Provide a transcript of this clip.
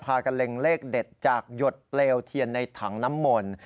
พากันเล็งเลขเด็ดจากหยดเปลวเทียนในถังน้ำมนต์